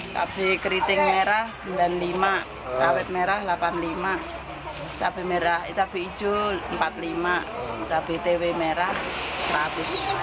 cabai keriting merah rp sembilan puluh lima cabai merah rp delapan puluh lima cabai hijau rp empat puluh lima cabai tewe merah rp seratus